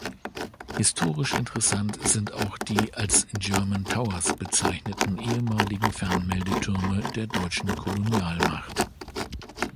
Historisch interessant sind auch die als "German Towers" bezeichneten ehemaligen Fernmeldetürme der deutschen Kolonialmacht.